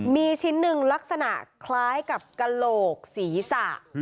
มีชิ้นหนึ่งลักษณะคล้ายกับกระโหลกศีรษะ